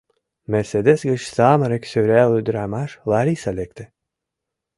«Мерседес» гыч самырык сӧрал ӱдырамаш, Лариса, лекте.